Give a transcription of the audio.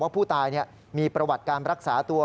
ผู้ตายมีประวัติการรักษาตัว